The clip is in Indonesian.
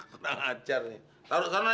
kurang ajar nih taruh sana nih